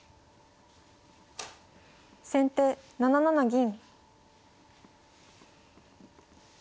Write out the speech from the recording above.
先手７七銀。